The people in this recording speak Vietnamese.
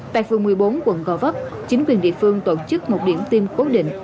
tại phường một mươi bốn quận gò vấp chính quyền địa phương tổ chức một điểm tiêm cố định